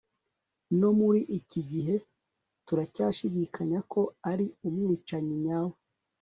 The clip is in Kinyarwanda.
no muri iki gihe, turacyashidikanya ko ari umwicanyi nyawe